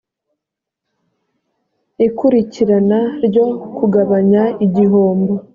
ikurikirana ryo kugabanya i gihombo